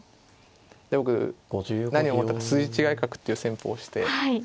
で僕何を思ったか筋違い角っていう戦法をして。